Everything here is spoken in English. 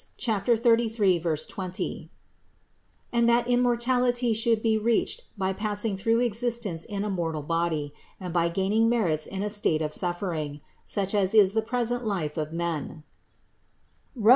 33, 20), and that immortality should be reached by passing through existence in a mor tal body and by gaining merits in a state of suffering, such as is the present life of men (Rom.